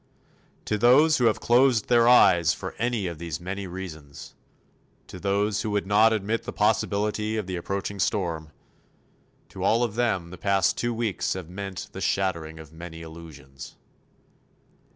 To those who have closed their eyes for any of these many reasons, to those who would not admit the possibility of the approaching storm to all of them the past two weeks have meant the shattering of many illusions.